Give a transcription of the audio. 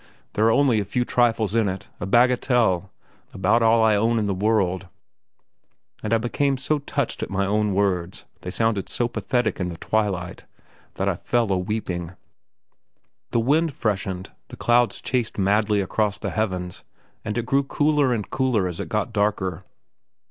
There are only a few trifles in it a bagatelle; about all I own in the world," and I became so touched at my own words, they sounded so pathetic in the twilight, that I fell a weeping.... The wind freshened, the clouds chased madly across the heavens, and it grew cooler and cooler as it got darker.